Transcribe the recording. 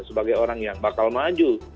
sebagai orang yang bakal maju